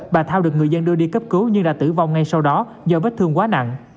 bà thao được người dân đưa đi cấp cứu nhưng đã tử vong ngay sau đó do vết thương quá nặng